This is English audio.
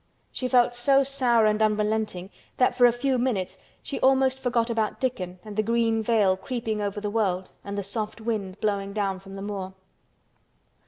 She felt so sour and unrelenting that for a few minutes she almost forgot about Dickon and the green veil creeping over the world and the soft wind blowing down from the moor.